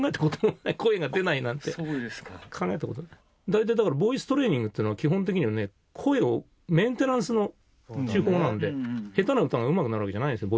大体だからボイストレーニングっていうのは基本的にはね声をメンテナンスの手法なんで下手な歌がうまくなるわけじゃないんですよ